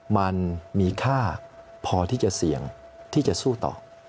มันมีค่าพอที่จะเสี่ยงที่จะสู้ต่อ